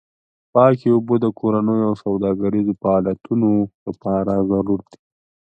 پاکې اوبه د کورنیو او سوداګریزو فعالیتونو لپاره ضروري دي.